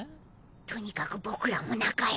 とにかく僕らも中へ。